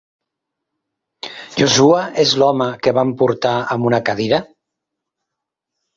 Joshua es l'home que van portar amb una cadira?